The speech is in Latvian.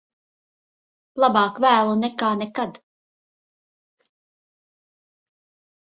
Labāk vēlu nekā nekad.